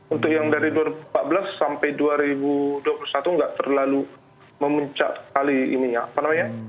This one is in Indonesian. untuk yang dari dua ribu empat belas sampai dua ribu dua puluh satu nggak terlalu memuncak sekali ini ya apa namanya